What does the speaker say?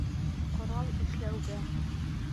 Ҡорал эшләүгә!